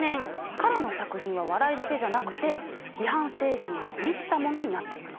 彼の作品は笑いだけじゃなくて批判精神に満ちたものになっていくの。